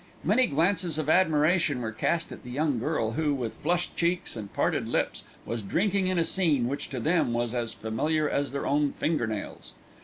Many glances of admiration were cast at the young girl who, with flushed cheeks and parted lips, was drinking in a scene which, to them, was as familiar as their own finger nails.